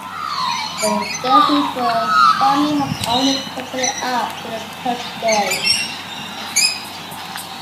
The Scheufele family have owned the company up to the present day.